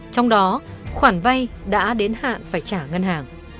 trong đó khoản vay đã đến hạn phải trả ngân hàng